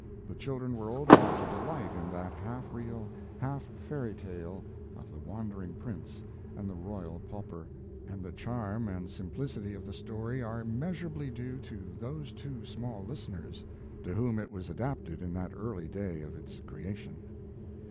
The children were old enough to delight in that half real, half fairy tale of the wandering prince and the royal pauper: and the charm and simplicity of the story are measurably due to those two small listeners, to whom it was adapted in that early day of its creation.